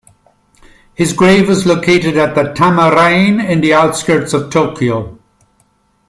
His grave is located at the Tama Reien in the outskirts of Tokyo.